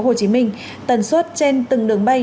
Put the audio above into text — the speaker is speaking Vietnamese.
hồ chí minh tần suốt trên từng đường bay